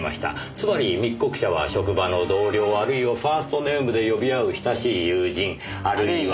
つまり密告者は職場の同僚あるいはファーストネームで呼び合う親しい友人あるいは。